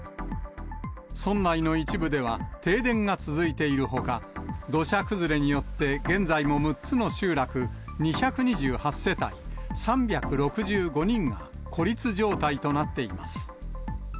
村内の一部では、停電が続いているほか、土砂崩れによって、現在も６つの集落２２８世帯３６５人が孤立状態となっています。